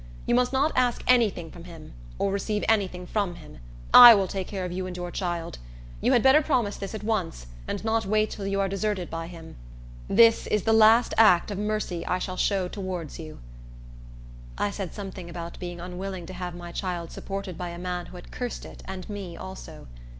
You must not ask any thing from him, or receive any thing from him. I will take care of you and your child. You had better promise this at once, and not wait till you are deserted by him. This is the last act of mercy I shall show towards you." I said something about being unwilling to have my child supported by a man who had cursed it and me also.